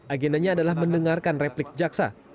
agendanya adalah mendengarkan replik jaksa